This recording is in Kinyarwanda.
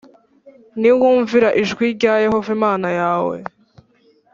“niwumvira ijwi rya yehova imana yawe,